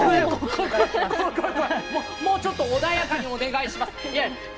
怖い、怖い、もうちょっと穏やかにお願いします。